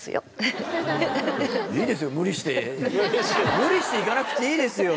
無理して行かなくていいですよ。